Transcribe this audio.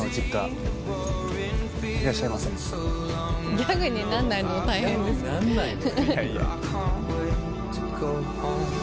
ギャグになんないのも大変ですね。